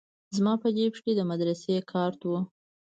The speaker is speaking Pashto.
زما په جيب کښې د مدرسې کارت و.